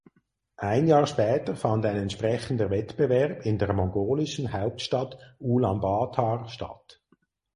Ein Jahr später fand ein entsprechender Wettbewerb in der mongolischen Hauptstadt Ulaanbaatar statt.